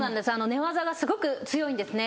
寝技がすごく強いんですね。